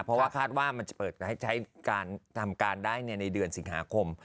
เพราะว่าคาดว่ามันจะเปิดให้ใช้การทำการได้ในเดือนสิงหาคม